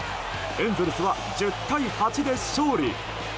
エンゼルスは１０対８で勝利。